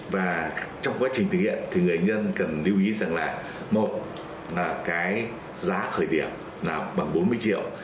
và trong quá trình thực hiện thì người dân cần lưu ý rằng là một là cái giá khởi điểm là bằng bốn mươi triệu